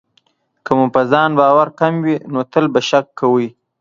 که مو په ځان باور کم وي، نو تل به شک کوئ.